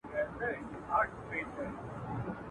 د خواشینۍ بې ځایه څرګندونه